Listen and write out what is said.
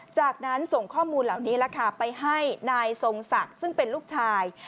จากนั้นส่งข้อมูลเหล่านี้ไปให้นายทรงศักดิ์ซึ่งเป็นลูกชาย